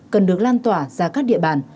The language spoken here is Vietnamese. cần được lan tỏa ra các địa bàn